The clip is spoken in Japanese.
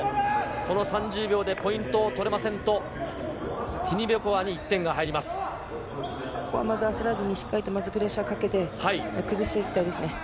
この３０秒でポイントを取れませんと、ティニベコワに１点が入りここはまず焦らずにまずプレッシャーをかけて、崩していきたいですね。